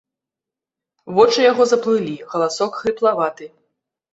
Вочы яго заплылі, галасок хрыплаваты.